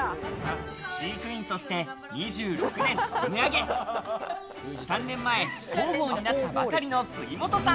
飼育員として２６年勤め上げ、３年前、広報になったばかりの杉本さん。